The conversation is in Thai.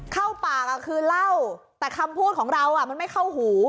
เข้าปากคือเล่าแต่คำพูดของเรามันไม่เข้าหู